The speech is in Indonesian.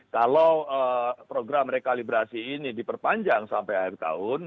kalau program rekalibrasi ini diperpanjang sampai akhir tahun